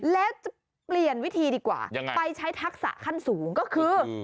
แล้วจะเปลี่ยนวิธีดีกว่ายังไงไปใช้ทักษะขั้นสูงก็คือ